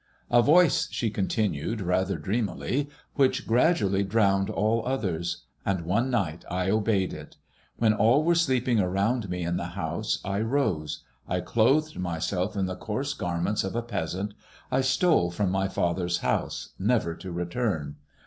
" A voice," she continued, rather dreamily, "which gradu ally drowned all others. And one night I obeyed it. When all were sleeping around me in the house, I rose; I clothed myself in the coarse garments of a peasant, I stole from my father's house never to return.